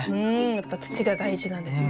やっぱ土が大事なんですね。